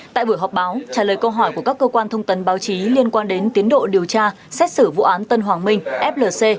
tại buổi họp báo trả lời câu hỏi của các cơ quan thông tấn báo chí liên quan đến tiến độ điều tra xét xử vụ án tân hoàng minh flc